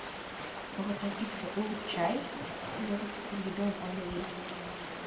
Прототипше улыт чай? — йодо Придон Ондрий.